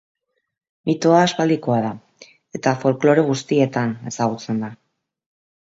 Mitoa aspaldikoa da eta folklore guztietan ezagutzen da.